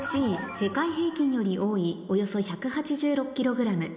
「世界平均より多い約１８６ｋｇ」